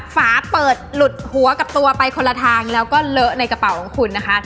ฝาเปิดหลุดหัวกับตัวไปคนละทางแล้วก็เลอะในกระเป๋าของคุณนะคะ